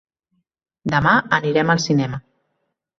Demà anirem al cinema.